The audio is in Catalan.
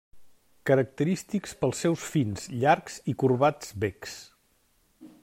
Característics pels seus fins, llargs i corbats becs.